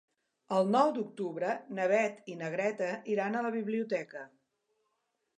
El nou d'octubre na Beth i na Greta iran a la biblioteca.